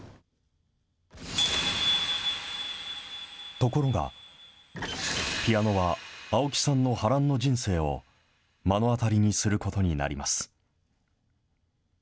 ところが、ピアノは青木さんの波乱の人生を目の当たりにすることになります。